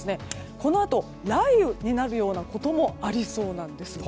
このあと、雷雨になるようなこともありそうなんです。